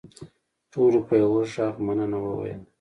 ټولو په یوه غږ مننه وویل.